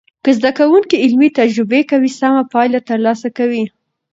که زده کوونکي علمي تجربه کوي، سمه پایله تر لاسه کوي.